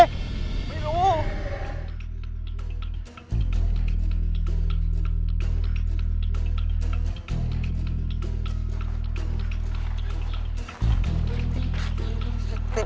ไม่รู้